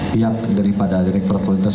pihak daripada direktur kualitas